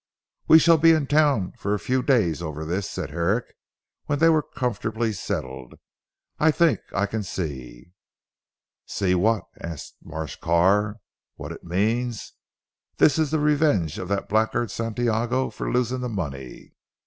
"We shall be in town for a few days over this," said Herrick when they were comfortably settled, "I think I can see." "See what?" asked Marsh Carr. "What it means. This is the revenge of that blackguard Santiago for losing the money."